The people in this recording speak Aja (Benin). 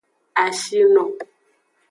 Ashino.